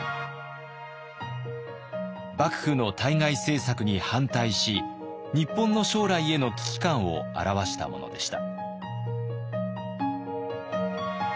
幕府の対外政策に反対し日本の将来への危機感を著したものでした。